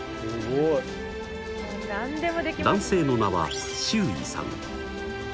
男性の名は周偉さん。